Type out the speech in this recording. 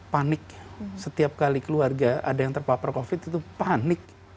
panik setiap kali keluarga ada yang terpapar covid itu panik